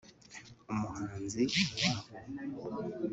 umuhanzi Wahu